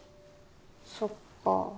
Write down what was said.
そっかぁ。